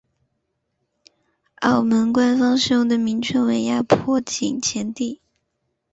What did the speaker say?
澳门官方使用的名称为亚婆井前地。